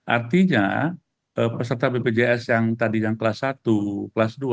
artinya peserta bpjs yang tadi yang kelas satu kelas dua